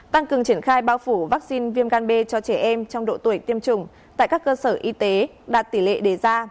tăng cường triển khai bao phủ vaccine viêm gan b cho trẻ em trong độ tuổi tiêm chủng tại các cơ sở y tế đạt tỷ lệ đề ra